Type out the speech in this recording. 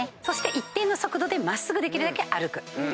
そして一定の速度で真っすぐできるだけ歩く。